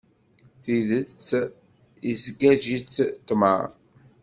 Tidet isgaǧ-itt ṭṭmaɛ.